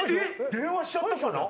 電話しちゃったかな。